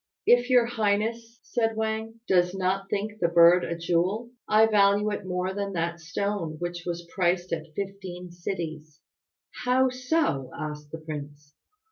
"If your highness," said Wang, "does not think the bird a jewel, I value it more than that stone which was priced at fifteen cities." "How so?" asked the prince.